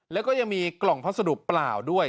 แล้วก็ยังมีกล่องพัสดุเปล่าด้วย